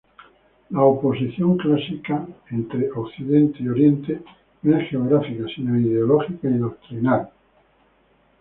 La oposición clásica entre Occidente y Oriente no es geográfica sino ideológica y doctrinal.